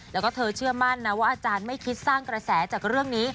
แล้วก็เธอเชื่อมั่นนะว่าอาจารย์ไม่คิดสร้างกระแสจากเรื่องนี้